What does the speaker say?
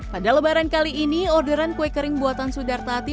pada lebaran kali ini orderan kue kering buatan sudar tati